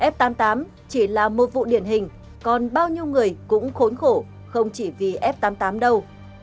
f tám mươi tám chỉ là một vụ điển hình còn bao nhiêu người cũng khốn khổ không chỉ vì f tám mươi tám đâu